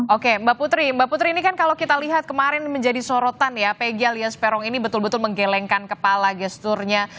oke mbak putri mbak putri ini kan kalau kita lihat kemarin menjadi sorotan ya peggy alias peron ini betul betul menggelengkan kepala gesturnya